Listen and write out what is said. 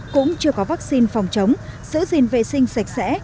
cũng chưa có vaccine phòng chống sử dịnh vệ sinh sạch sẽ